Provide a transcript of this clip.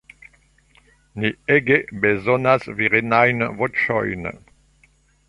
Ni ege bezonas virinajn voĉojn.